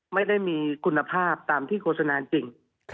ไม่ได้มีคุณภาพตามที่โฆษณาจริง